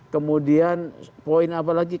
kemudian poin apa lagi